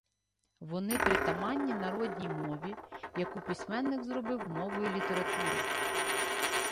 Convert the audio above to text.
Вони притаманні народній мові, яку письменник зробив мовою літератури.